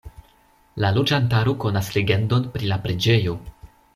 La loĝantaro konas legendon pri la preĝejo.